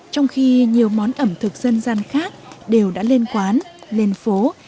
trong khi nhiều món ẩm thực dân gian khác đều đã lên quán lên phố